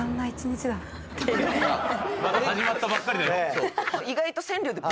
まだ始まったばっかりだよ。